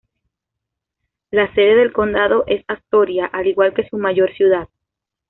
La sede del condado es Astoria, al igual que su mayor ciudad.